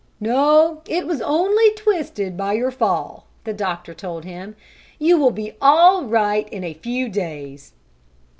"No, it was only twisted by your fall," the doctor told him. "You will be all right in a few days."